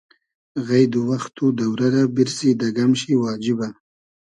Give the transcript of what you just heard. غݷد و وئخت و دۆرۂ رۂ بیرسی دۂ گئم شی واجیبۂ